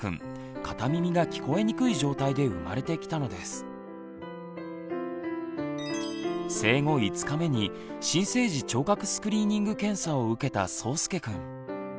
実はそうすけくん生後５日目に新生児聴覚スクリーニング検査を受けたそうすけくん。